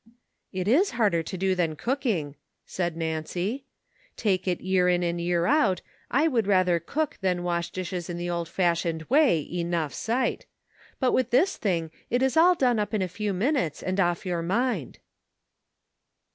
*'It is harder to do than cooking," said Nancy. "Take it year in and year out I would rather cook than wash dishes in the old fashioned way, enough sight; but with this thing it is all done up in a few minutes and off your mind."